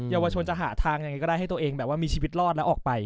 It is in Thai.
เยาวชนจะหาทางยังไงก็ได้ให้ตัวเองแบบว่ามีชีวิตรอดแล้วออกไป